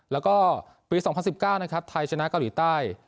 แล้วก็ปีสองพันสิบเก้านะครับไทยชนะเกาหลีใต้